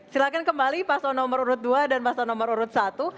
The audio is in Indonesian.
silahkan kembali paslon nomor urut dua dan paslon nomor urut satu